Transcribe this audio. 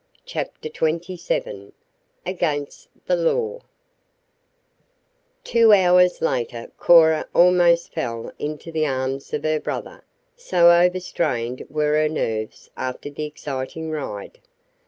CHAPTER XXVII AGAINST THE LAW Two hours later Cora almost fell into the arms of her brother so overstrained were her nerves after the exciting ride.